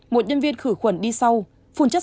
một nhân viên khử khuẩn đi sau phun chất